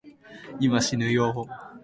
今、しぬよぉ